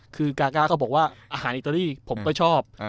คือกาก้าก็บอกว่าอาหารอิตาลีผมก็ชอบ